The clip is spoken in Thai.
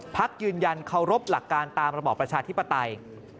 พักยืนยันเคารพหลักการตามระบอบประชาธิปไตย